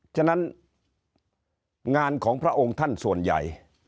ฉะนั้นงานของพระองค์ท่านส่วนใหญ่